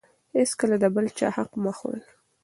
هېڅکله د بل چا حق مه خورئ.